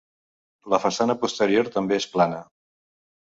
La façana posterior també és plana.